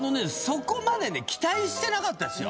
そこまでね期待してなかったですよ